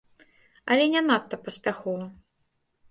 Але не надта паспяхова.